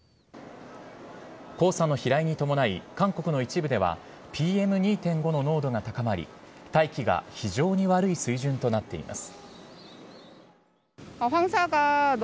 黄砂の飛来に伴い韓国の一部ではＰＭ２．５の濃度が高まり大気が非常に悪い水準となっています。